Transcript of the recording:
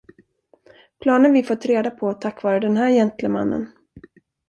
Planer vi fått reda på tack vare den här gentlemannen.